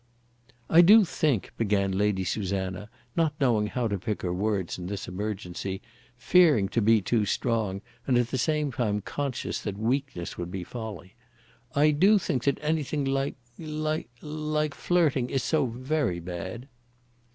"I do think," began Lady Susanna, not knowing how to pick her words in this emergency, fearing to be too strong, and at the same time conscious that weakness would be folly ; "I do think that anything like like like flirting is so very bad!"